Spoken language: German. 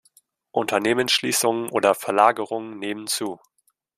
Unternehmensschließungen oder verlagerungen nehmen zu.